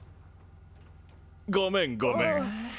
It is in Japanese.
ごめんごめん。